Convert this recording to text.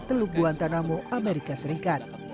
teluk guantanamo amerika serikat